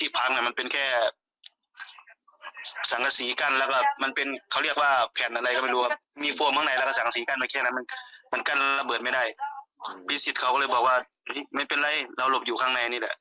สิทธิ์เขาก็เลยบอกว่าไม่เป็นไรเราหลบอยู่ข้างในนี่แหละ